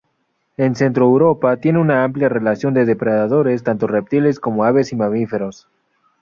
En Centroeuropa tiene una amplia relación de depredadores tanto reptiles como aves y mamíferos.